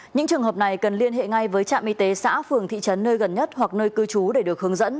những trường hợp này cần liên hệ ngay với trạm y tế xã phường thị trấn nơi gần nhất hoặc nơi cư trú để được hướng dẫn